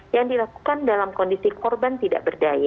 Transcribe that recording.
yang dilakukan dalam kondisi korban tidak berdaya